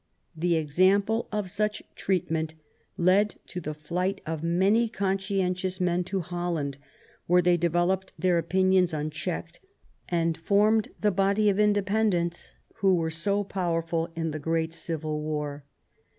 The example of such treatment led to the flight of many conscientious men to Holland, where they developed their opinions un checked, and formed the body of Independents who were so powerful in the great Civil War.